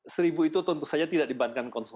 seribu itu tentu saja tidak dibebankan